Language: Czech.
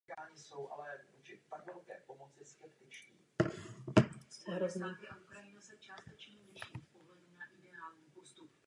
Tomu se však lze vyhnout vhodným technologickým postupem.